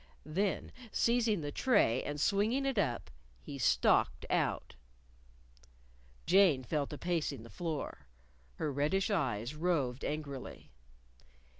_" Then seizing the tray and swinging it up, he stalked out. Jane fell to pacing the floor. Her reddish eyes roved angrily.